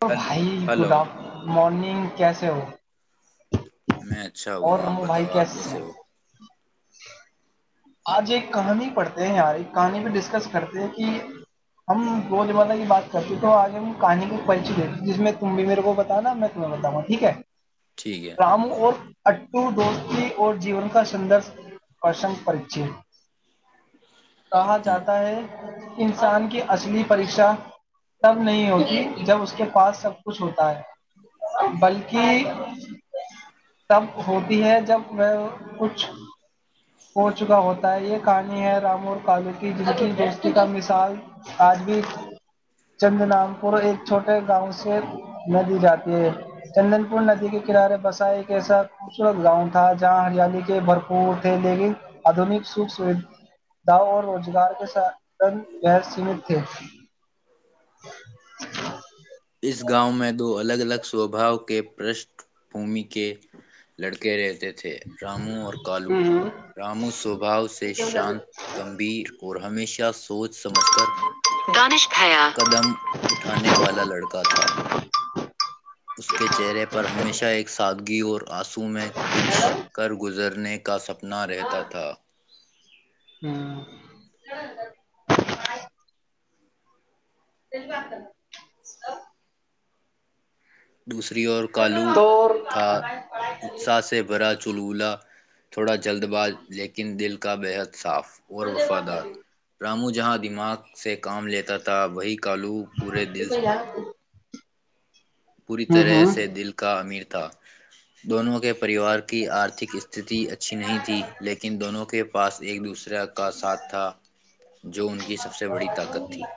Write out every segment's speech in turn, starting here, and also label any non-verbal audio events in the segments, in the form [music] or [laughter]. hello ہل بھائی hello good after morning کیس ہو [inaudible] میں اچھا ہوں اور آپ رمو بھائی بتاؤ آپ کیسے ہو [unintelligible] [inaudible] آج ایک کہانی پڑھتے ہیں یار ایک کہانی پ ڈسکس کرتے ہیں کہ ہم گ زمالہ کی بات کرتے تو آگے ہم کہانی کو پنچی دیتے جس میں تم بھی میرے کو بتانا میں تمہیں بتاؤں گا ٹھیک ہے ٹھیک ہے رام اور [inaudible] تو دوستی اور جیون کا سندر پرسنگ پر جی [unintelligible] کہا ہ جاتا ہے انسان کی اصلی پریشا تب نہیں ہوتی جب اس کے پاس سب کچھ ہوتا ہے بلکہ تب ہوتی ہے جب میں کچھ چکا ہوتا ہے یہ کہانی ہے رامور کالو کی جن کی دوستی کا مثال آج بھی چند رام پور ایک چھوٹے گاؤں سے ندی جاتی ہے چندن پور ندی کے کنارے بسا ایک ایسا خوبصورت گاؤں تھا جہاں ہریالی کے بھرپور تھے لیکن آدنک سکھ سوھا اور روزگار کے سن گیر سیمت تھے اس گاؤں میں دو الگ الگ سوباؤ کے پشٹھ بھمی کے لڑکے رہتے تھے تھے رامو اور کالو رامو سوباؤ سے شانت گمبھیر اور ہمیشہ سوچ سمجھ کر قدم اٹھانے والا لڑکا تھا [inaudible] اس کے چہرے پر ہمیشہ ایک سادگی اور آنسو میں کچھ کر گزرنے کے کا سپنا رہتا تھا ہوں [inaudible] [inaudible] دوسری اور کالو تو تھا اتساہ سے برا چلولہ تھوڑا جلد باز لیکن دل کا بیحد صاف اور وفادار رامو ج جہاں دماغ سے کام لیتا تھا وہی کالو پورے دل پوری ہوں طرح ہوں سے دل کا امیر تھا دونوں کے پریوار کی آرتک استھتی اچھی نہیں تھی لیکن دونوں کے پاس ایک دوسرے کا ساتھ تھا جو ان کی سب سے بڑی طاقت تھی [unintelligible]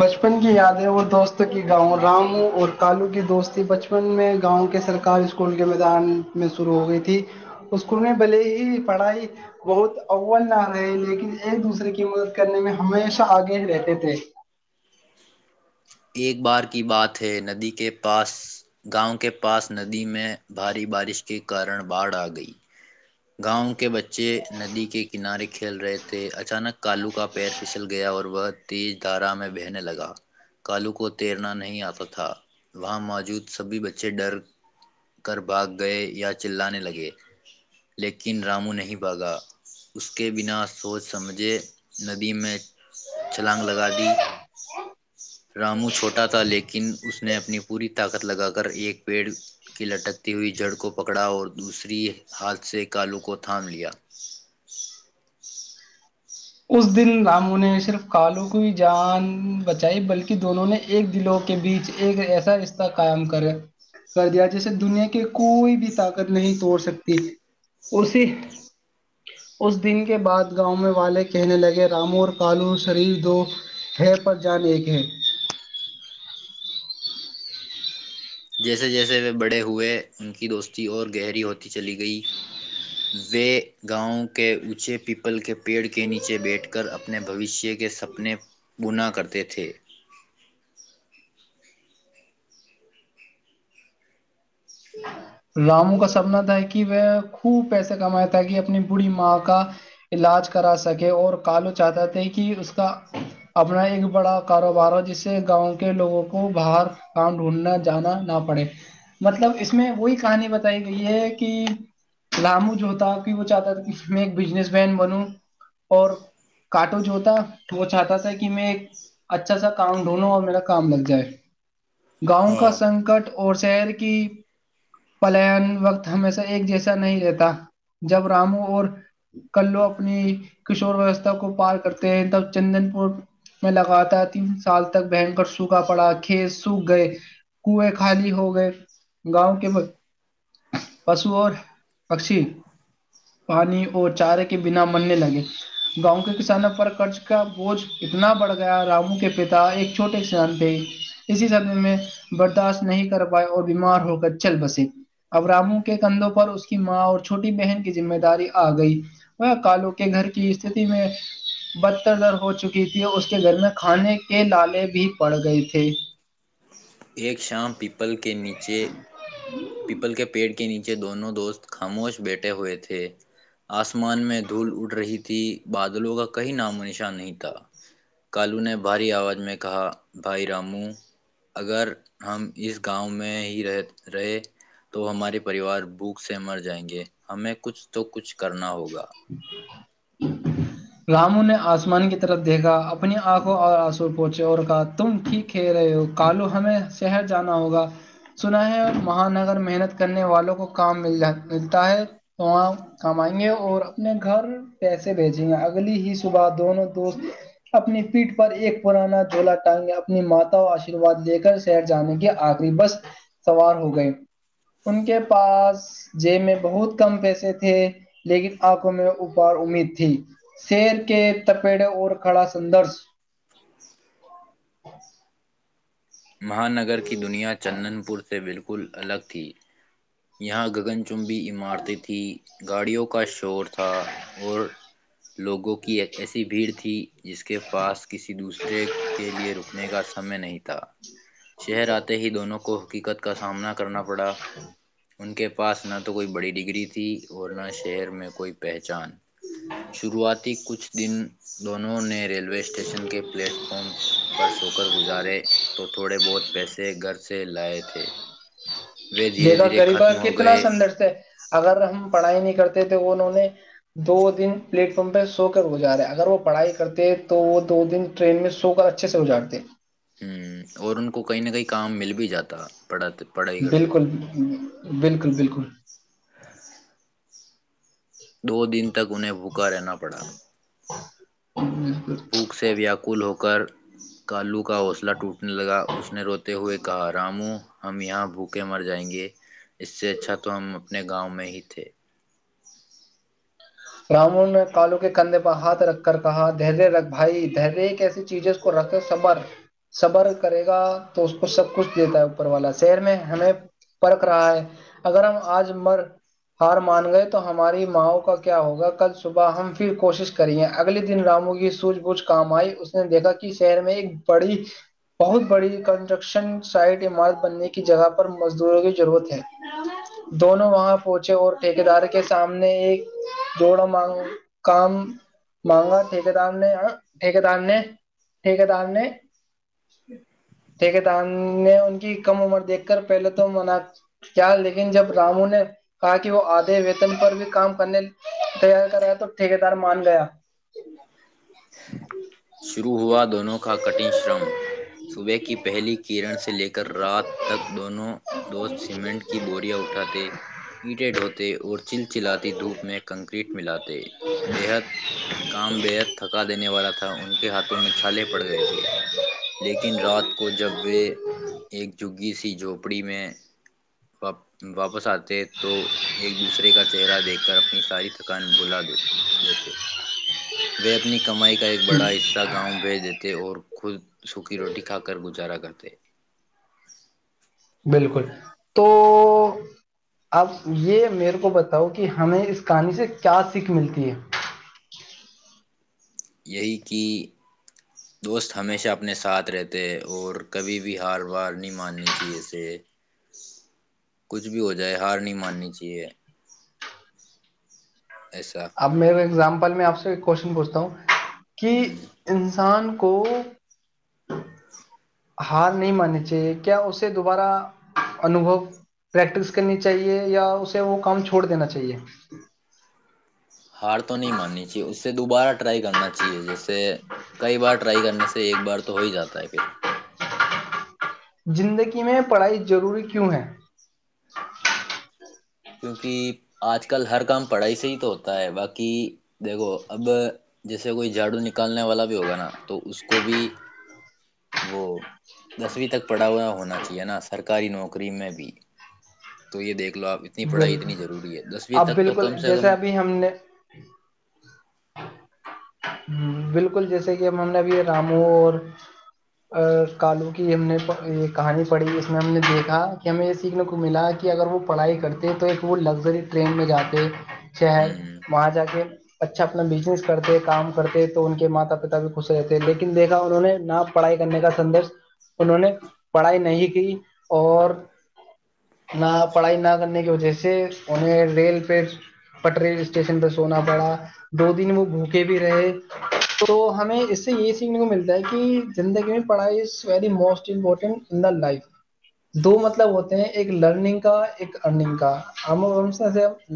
بچپن کی یاد ہے وہ دوستوں کی گاؤں رام اور کالو کی دوستی بچپن میں گاؤں کے سرکاری اسکول کے میدان میں شروع ہو گئی تھی اسکول میں بھلے ہی پڑھائی بہت اول نہ رہے لیکن ایک دوسرے کی مدد کرنے میں ہمیشہ آگے رہتے تھے ایک بار کی بات ہے ندی کے پاس گاؤں کے پاس ندی میں بھاری بارش کے کارن باڑھ آ گئی گاؤں کے بچے بچے ندی کے کنارے کھیل رہے تھے اچانک کالو کا پیر پھسل گیا اور وہ تیز دھارا میں بہنے لگا کالو کو تیرنا نہیں آتا تھا وہاں موجود سبھی بچے ڈر کر بھاگ گئے یا چللانے لگے لیکن رامو نہیں بھاگا اس کے بنا سوچ سمجھے ندی میں چھلانگ لگا دی رامو چھوٹا تھا لیکن اس نے اپنی پوری طاقت لگا کر ایک پیڑ کی لٹکتی ہوئی جڑ کو پکڑا اور دوسری ہاتھ سے کالو کو تھام لیا اس دن رامو نے صرف کالو کی جان بچائی بلکہ دونوں نے ایک دلوں کے بیچ ایک ایسا رشتہ قائم کر کر دیا جسے دنیا کی کوئی بھی طاقت نہیں توڑ سکتی اسی اس دن کے بعد گاؤں میں والے کہنے لگے رامو اور کالو شریف دو ہے پر جان ایک ہے [unintelligible] جیسے جیسے وہ بڑے ہوئے ان کی دوستی اور گہری ہوتی چلی گئی وے گاؤں کے اونچے پیپل کے پیڑ کے نیچے بیٹھ کر اپنے بھوشیہ کے سپنے گنا کرتے تھے راموں کا سپنا تھا کہ وہ خوب پیسے کمائے تاکہ اپنی بڑی ماں کا علاج کرا سکے اور کالو چاہتا تھے کہ اس کا اپنا ایک بڑا کاروبار ہو جس سے گاؤں کے لوگوں کو باہر کام ڈھونڈنا جانا نہ پڑے مطلب اس میں وہی کہانی بتائی گئی ہے کہ رامو جو تھا کہ وہ چاہتا تھا کہ میں ایک بزنس مین بنوں اور کٹو جوتا وہ چاہتا تھا کہ میں ایک اچھا سا کام ڈھونڈوں اور میرا کام لگ جائے گاؤں کا سنکٹ اور شہر کی پلن وقت ہمیشہ ایک جیسا نہیں رہتا جب رامو اور کلو اپنی کشور وستا کو پار کرتے ہیں تب چندن پور میں لگاتار تین سال تک بہن کر سوکھا پڑا کھیت سوکھ گئے کنو خالی ہو گئے گاؤں کے پشو اور پکشی پانی اور چارے کے بنا مرنے لگے گاؤں کے کسانوں پر قرض کا بوجھ اتنا بڑھ گیا رامو کے پتا ایک چھوٹے کسان تھے اسی سدے میں برداشت نہیں کر پائے اور بیمار ہو کر چل بسے ابراموں کے کندھوں پر اس کی ماں اور چوٹی بہن کی ذمہ داری آ گئی وہ کالو کے گھر کی استتی میں بدتر در ہو چکی تھی اور اس کے گھر میں کھانے کے لالے بھی پڑ گئے تھے ایک شام پیپل کے نیچے پیپل کے پیڑ کے نیچے دونوں دوست خاموش بیٹھے ہوئے تھے آسمان میں دھول اٹھ رہی تھی بادلوں کا کہیں نام و نشان نہیں تھا کالو نے بھاری آواز میں کہا بھائی رامو اگر ہم اس گاؤں میں ہی رہ رہے تو ہمارے پریوار بھوک سے مر جائیں گے ہمیں کچھ تو کچھ کرنا ہوگا ج [unintelligible] رامو نے آسمان کی طرف دیکھا اپنی آنکھوں اور آنسو پہنچے اور کہا تم ٹھیک کہ رہے ہو کالو ہمیں شہر جانا ہوگا سنا ہے مہانگر محنت کرنے والوں کو کام مل ج ملتا ہے تو وہاں کام آئیں گے اور اپنے گھر پیسے بھیجیں گے اگلی ہی صبح دونوں دوست اپنی پیٹھ پر ایک پرانا دولا ٹانگے اپنی مات آشرواد لے کر شہر جانے کے آخری بس سوار ہو گئے ان کے پاس جیب میں بہت کم پیسے تھے لیکن [unintelligible] آنکھوں میں اپار امید تھی شیر کے تپیڑے اور کھڑا سدرش مہانگر کی دنیا چندن پور سے بالکل کل الگ تھی یہاں گگن چمبی عمارتیں تھیں گاڑیوں کا ش چور تھا اور لوگوں کی ایک ایسی بھیڑ ھی جس کے پاس کسی دوسرے کے لیے رکنے کا سمے نہیں تھا شہر آتے ہی دونوں کو حقیقت کا سامنا کرنا پڑا ان کے پاس نہ تو کوئی بڑی ڈگری تھی اور نہ شہر میں کوئی پہچان شروعاتی کچھ دن دونوں نے ریلوے اسٹیشن کے پلیٹ فارم پر سو کر گزارے تو تھوڑے بہت پیسے گھر سے لائے تھے وہ دھیرے دیکھا دھیرے ختم ہو کتنا گئے سندرش ہے اگر ہم پڑھائی نہیں کرتے تو انہوں نے دو دن پلیٹ فارم پہ سو کر گزارا اگر وہ پڑھائی کرتے تو وہ دو دن ٹرین میں سو کر اچھے سے ازارتے ہوں اور ان کو کہیں نہ کہیں کام مل بھی جاتا پڑھا پڑھائی کرتے تو بالکل بالکل بالکل دو دن تک انہیں بک رکا رہنا پڑا بالکل بھوک سے ویاکل ہوگ کور کالو کا حوصلہ ٹوٹنے لگا اس نے روتے ہوئے کہا رامو ہم یہاں بھوکے مر جائیں گے اس سے اچھا تو ہم اپنے گاؤں میں ہی تھے رامو نے کالو کے کندھے پر ہاتھ رکھ کر کہا دریہ رکھ بھائی در کی ایسی چیز ہے اس کو رکھ صبر صبر کرے گا تو اس کو سب کچھ دیتا ہے اوپر والا شہر میں ہمیں پرکھ رہا ہے اگر ہم آج مر ہار مان گئے تو ہماری ماںؤ کا کیا ہوگا کل صبح ہم پھر کوشش کریے اگلے دن رامو کی سوج بوجھ کام آئی اس نے دیکھا کہ شہر میں ایک بڑی بہت بڑی کنسٹرکشن سائٹ عمارت بننے کی جگہ پر مزدوروں کی ضرورت ہے دونوں وہاں پہنچے اور ٹھیک دار کے سامنے ایک [unintelligible] جوڑا کام مانگا ٹھیک دار نے ٹھیکدار نے ٹھیک دار نے ٹھیکدار نے ان کی کم عمر دیکھ کر پہلے تو منا کیا لیکن جب رامو نے کہا کہ وہ آدھے ویتن پر بھی کام کرنے تیار کرایا تو ٹھیک دار مان گیا [unintelligible] شروع ہوا دونوں کا کٹن شرم صبح کی پہلی کرن سے لے کر رات تک دونوں دوست سیمنٹ کی بوریاں اٹھاتے ایٹڈ ہوتے اور چل چلاتی دھوپ میں کنکریٹ ملااتے بےحد کام بےحد تھکا دینے والا تھا ان کا [unintelligible] ہاتھوں میں چھالے پڑ گئے تھے لیکن رات کو جب وہ ایک جگی سی جھوپڑی میں واپس آتے تو ایک دوسرے کا چہرہ دیکھ کر اپنی ساری تھکان بھلا دیتے وہ اپنی کمائی کا ایک بڑا حصہ گاؤں بھیج دیتے اور خود سوکھی روٹی کھا کر گزار کرا کرتے بالکل تو اب یہ میرے کو بتاؤ کہ ہمیں اس کہانی سے کیا سیکھ ملتی ہے یہی کہ دوست ہمیشہ اپنے ساتھ رہتے ہے اور کبھی بھی ہار بار نہیں ماننی چاہیے سے کچھ بھی ہو جائے ہار نہیں ماننی چاہیے ایسا اب میرے ایگزامپ میں آپ سے ک کوشچنوچھتا ہوں کہ ہوں انسان کو ہار نہیں ماننی چاہیے کیا اسے دوبارہ انوبو پریکٹس کرنی چاہیے یا اسے وہ کام چھوڑ دینا چاہیے ہار تو نہیں ماننی چاہے اس سے دوبارہ ٹرائی کرنا چاہیے جی سے کئی بار ٹرائی کر ایک بار تو ہو ہی جاتا ہے پھر زندگی میں پڑھائی ضروری کیوں ہے کیونکہ آج کل ہر کام پڑھائی سے ہی تو ہوتا ہے باقی دیکھو اب جیسے کوئی جھاڑو نکالنے والا بھی ہوگا نا تو اس کو بھی وہ دسویں تک پڑھا ہوا ہونا چاہیے نا سرکاری نوکری میں بھی تو یہ دیکھ لو آپ اتنی پڑھائی اتنی بالکل ضروری ہے دسویں اب تک تو بالکل کم سے جیسے کم ابھی ہم نے ہ بالکل جیسے کہ ہم ہم نے ابھی رامو اور کالو کی ہم نے یہ کہانی پڑھی ج میں ہم نے دیکھا کہ ہمیں یہ سیکھنے کو ملا کہ اگر وہ پڑھائی کرتے ہیں تو ایک وہ لگژری ٹرین میں جاتے شر ہوں وہاں ج کے اچھا اپنا بزنس کرتے کام کرتے تو ان کے ماتا پتا بھی خوش رہتے لیکن دیکھا انہوں نے نہ پڑھائی کرنے کا سندش انہوں نے پڑھائی نہیں کی اور نہ پڑھائی نہ وہ سے انہ ریل پہ پٹ رل اسٹیشن پہ سونا پڑا دو دن وہ بھوکے بھی رہے تو ہمیں اس سے یہ سیکھنے کو ملتا ہے کہ زندگی میں پڑھائی ا ویری موسٹ امپورٹینٹا لائف دو مطلب ہوتے ہیں ایک لرننگ کا ایک ارننگ کا ہم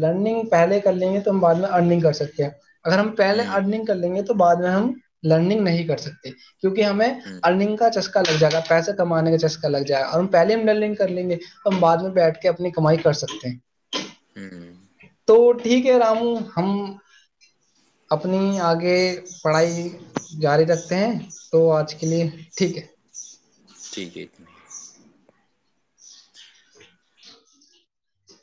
لرننگ پہلے کر لیں گے تو ہم بعد میں ارنگ کر سکتے ہیں [unintelligible] اگر ہم پہے ہوں ارنگ کر لیں گے تو [unintelligible] بعد میں ہم لرننگ نہیں کر سکتے کیونکہ ہمیں ہوں ارنگ کا چسکا لگ جائے گا پیسے کمانے کا چسکا لگ جائے گا اور ہم پہلے ہم لرنگ کر لیں گے تو ہم بع میں بیٹھ کے اپنی [unintelligible] کمائی کر سکتے ہیں ہوں تو ٹھیک ہے رامو ہم اپنی آگے پڑھائی جاری رکھتے ہیں تو آج کے لیے ٹھیک ہے [unintelligible] ٹھیک ہےت